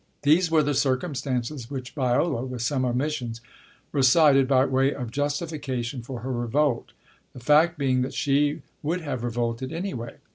These were the circumstances which Viola (with some omissions) recited by way of justification for her revolt ; the fact being that she would have revolted anyway.